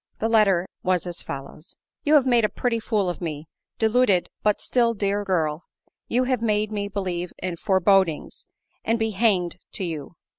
The letter was as follows :" You have made a pretty fool of me, deluded but still dear girl ! for you have made me believe in forebodings, and be hanged to you.